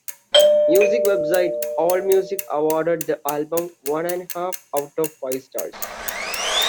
Music website AllMusic awarded the album one and a half out of five stars.